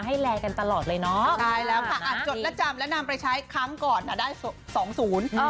ใช่แล้วค่ะอัดจดและจำแล้วนำไปใช้ขั้บก่อนเราได้สองศูนย์